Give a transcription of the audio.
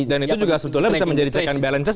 dan itu juga sebetulnya bisa menjadi cekan balances